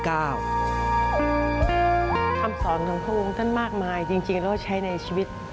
คำสอนของพระองค์ท่านมากมายจริงแล้วใช้ในชีวิต